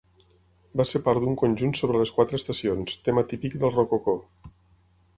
Va ser part d'un conjunt sobre les quatre estacions, tema típic del rococó.